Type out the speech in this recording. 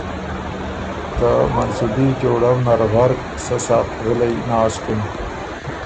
ته منصوبي جوړؤ نر غرق سۀ ساعت غِلئ ناسکِن،